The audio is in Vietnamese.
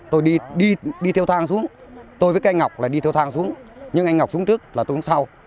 tôi đi theo thang xuống tôi với các anh ngọc là đi theo thang xuống nhưng anh ngọc xuống trước là tôi xuống sau